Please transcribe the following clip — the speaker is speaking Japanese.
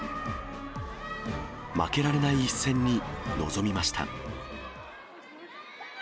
負けられない一戦に臨みました。